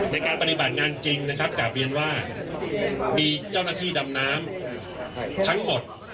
ในการปฏิบัติงานจริงนะครับกลับเรียนว่ามีเจ้าหน้าที่ดำน้ำทั้งหมด